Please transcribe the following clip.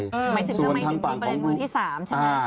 หมายถึงเป็นประเด็นมือที่๓ใช่ไหม